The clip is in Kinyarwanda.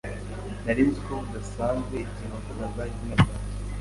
Nari nzi ko udasanzwe igihe wavugaga izina ryanjye